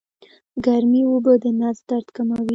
ګرمې اوبه د نس درد کموي